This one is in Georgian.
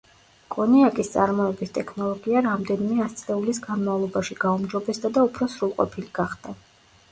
კონიაკის წარმოების ტექნოლოგია რამდენიმე ასწლეულის განმავლობაში გაუმჯობესდა და უფრო სრულყოფილი გახდა.